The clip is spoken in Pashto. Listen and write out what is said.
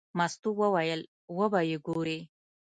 مستو وویل: وبه یې ګورې.